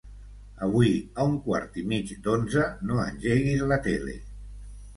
Avui a un quart i mig d'onze no engeguis la tele.